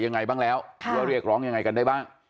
ยังไงบ้างแล้วว่าเรียกร้องยังไงกันได้บ้าง